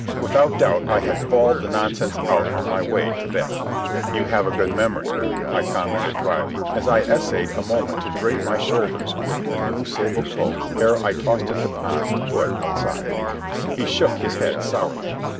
Without doubt I had bawled the nonsense out on my way to bed. "You have a good memory," I commented drily, as I essayed a moment to drape my shoulders with the new sable cloak ere I tossed it to Pons to put aside. He shook his head sourly.